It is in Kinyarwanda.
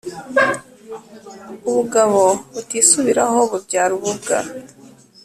Ubugabo butisubiraho bubyara ububwa.